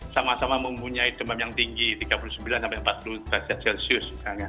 sama sama mempunyai demam yang tinggi tiga puluh sembilan sampai empat puluh derajat celcius misalnya